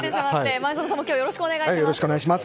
前園さんも今日はよろしくお願いします。